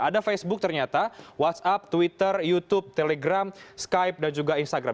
ada facebook ternyata whatsapp twitter youtube telegram skype dan juga instagram